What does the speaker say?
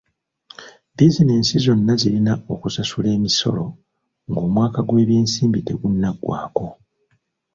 Bizinensi zonna zirina okusasula emisolo ng'omwaka gw'ebyensimbi tegunnaggwako.